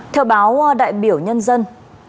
theo báo đại biểu nhân dân